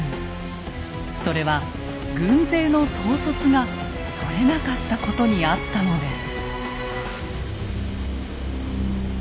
それは軍勢の統率がとれなかったことにあったのです。